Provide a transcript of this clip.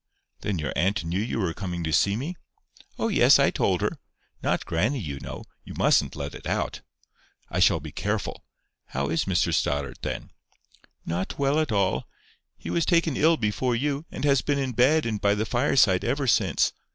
"Then your aunt knew you were coming to see me?" "Oh, yes, I told her. Not grannie, you know.—You mustn't let it out." "I shall be careful. How is Mr Stoddart, then?" "Not well at all. He was taken ill before you, and has been in bed and by the fireside ever since.